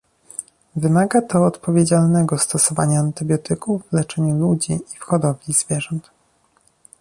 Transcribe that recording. Wymaga to odpowiedzialnego stosowania antybiotyków w leczeniu ludzi i w hodowli zwierząt